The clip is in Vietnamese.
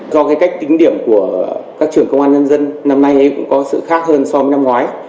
do cái cách tính điểm của các trường công an nhân dân năm nay cũng có sự khác hơn so với năm ngoái